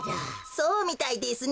そうみたいですね。